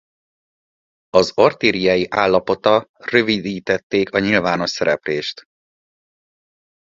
Az artériái állapota rövidítették a nyilvános szereplést.